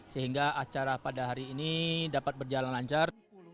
sehingga acara pada hari ini dapat berjalan lancar